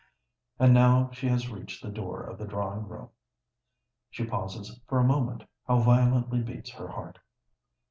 And now she has reached the door of the drawing room. She pauses for a moment: how violently beats her heart!